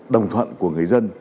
đồng thuận của người dân